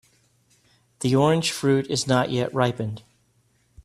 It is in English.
The orange fruit is not yet ripened.